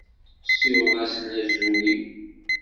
Siweḍ-asen azul-iw.